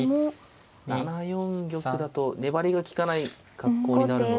７四玉だと粘りの利かない格好になるので。